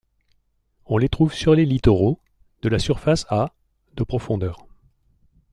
On les trouve sur les littoraux, de la surface à de profondeur.